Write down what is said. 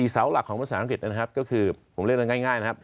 เสาหลักของภาษาอังกฤษนะครับก็คือผมเล่นกันง่ายนะครับ